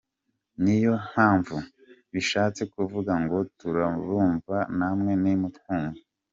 Niyo mpamvu bishatse kuvuga ngo ‘Turabumva namwe ni mu twumve’.